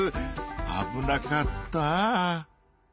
あぶなかった。